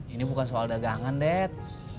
ini bukan soal dagangan dek